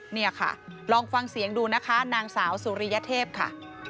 เนี่ยค่ะลองฟังเสียงดูนะคะนางสาวสุริยเทพค่ะ